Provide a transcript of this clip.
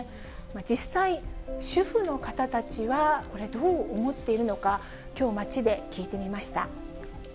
実際、主婦の方たちは、これ、どう思っているのか、きょう、街で聞いてみました。